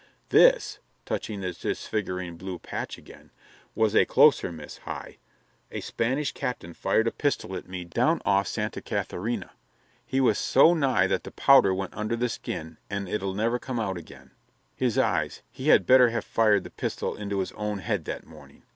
This," touching the disfiguring blue patch again, "was a closer miss, Hi. A Spanish captain fired a pistol at me down off Santa Catharina. He was so nigh that the powder went under the skin and it'll never come out again. his eyes he had better have fired the pistol into his own head that morning.